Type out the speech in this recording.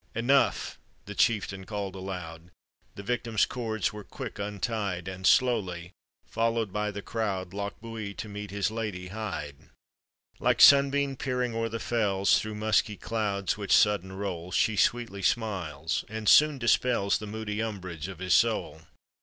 " Enough !" the chieftain call'd aloud; The victim's cords were quick untied; And, slowly followed by the crowd, Lochbuie to meet his lady hied. Like sunbeam peering o'er the fells Through musky clouds which sudden roll, She sweetly smiles, and soon dispels The moody umbrage of his soul.